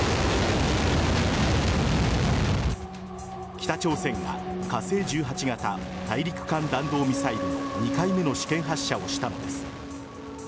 北朝鮮が火星１８型大陸間弾道ミサイルの２回目の試験発射をしたのです。